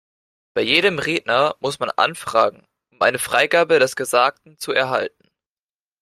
Bei jedem Redner muss man anfragen, um eine Freigabe des Gesagten zu erhalten.